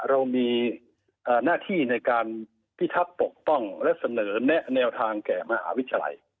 เรามีหน้าที่ในการพิทักษ์ปกป้องและเสนอแนะแนวทางแก่มหาวิทยาลัย